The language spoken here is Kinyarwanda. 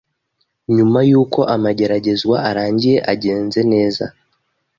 nyuma yuko amageragezwa arangiye agenze neza.